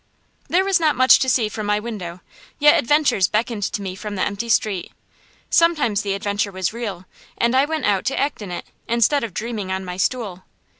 There was not much to see from my window, yet adventures beckoned to me from the empty street. Sometimes the adventure was real, and I went out to act in it, instead of dreaming on my stool.